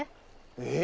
えっ？